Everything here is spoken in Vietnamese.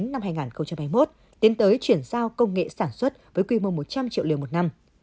năm hai nghìn hai mươi một tiến tới chuyển giao công nghệ sản xuất với quy mô một trăm linh triệu liều một năm